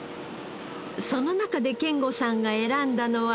その中で賢吾さんが選んだのは